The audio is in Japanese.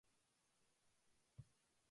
イル＝エ＝ヴィレーヌ県の県都はレンヌである